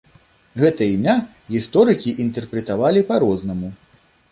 Гэта імя гісторыкі інтэрпрэтавалі па-рознаму.